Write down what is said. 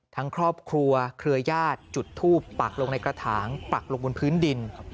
ทั้งครอบครัวเครือญาติจุดทูปปักลงในกระถางปักลงบนพื้นดิน